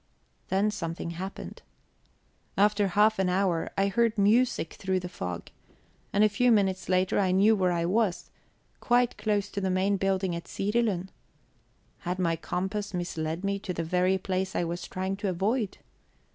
Then something happened. After half an hour, I heard music through the fog, and a few minutes later I knew where I was: quite close to the main building at Sirilund. Had my compass misled me to the very place I was trying to avoid?